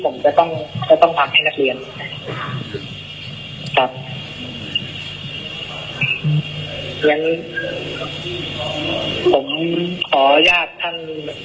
ผู้ประจำการตอบคำถามแต่เพียงเท่านี้นะครับท่าน